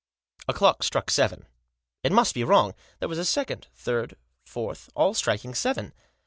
A clock struck seven. It must be wrong. There was a second, third, fourth, all striking seven.